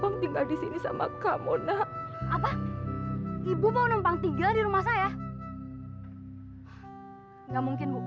nggak jadi deh ren